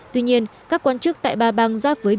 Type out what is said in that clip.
tuy nhiên các quan chức tại ba bang giáp với biểu tượng